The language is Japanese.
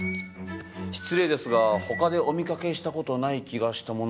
失礼ですが他でお見かけした事ない気がしたもので。